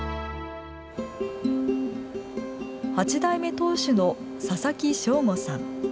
八代目当主の佐々木勝悟さん。